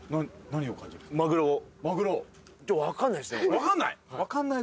分かんないっす。